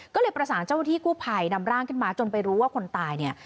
ก็เลยประสานเจ้าหน้าที่กู้ภัยนำร่างขึ้นมาจนไปรู้ว่าคนตายเนี่ย